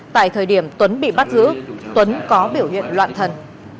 tại thời điểm tuấn bị bắt giữ tuấn có biểu hiện loạn thần